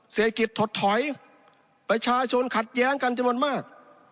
เศรษฐกิจถดถอยประชาชนขัดแย้งกันจำนวนมาก